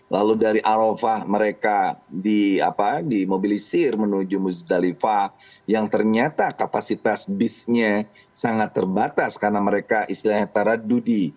lalu dari arofah mereka dimobilisir menuju muzdalifah yang ternyata kapasitas bisnya sangat terbatas karena mereka istilahnya taradudi